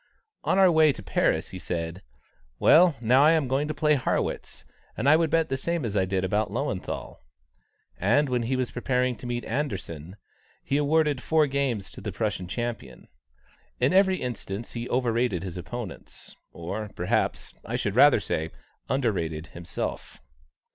On our way to Paris, he said: "Well, now I am going to play Harrwitz, and I would bet the same as I did about Löwenthal;" and when he was preparing to meet Anderssen, he awarded four games to the Prussian champion. In every instance he overrated his opponents, or, perhaps I should rather say, underrated himself.